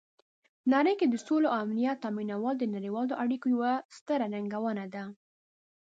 نړۍ کې د سولې او امنیت تامینول د نړیوالو اړیکو یوه ستره ننګونه ده.